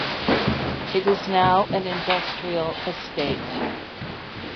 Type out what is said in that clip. It is now an industrial estate.